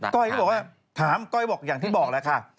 ก้อยก็บอกว่าถามก้อยบอกอย่างที่บอกแล้วค่ะ